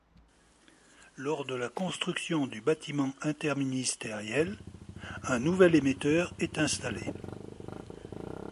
Lors de la construction du bâtiment interministériel, un nouvel émetteur est installé.